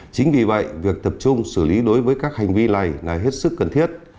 chính vì vậy việc tập trung xử lý đối với các hành vi này là hết sức cần thiết